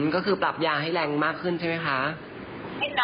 ก็คือปรับยาให้แรงมากขึ้นใช่ไหมคะ